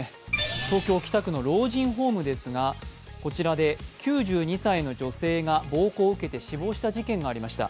東京・北区の老人ホームですがこちら９２歳の女性が暴行を受けて死亡する事件がありました。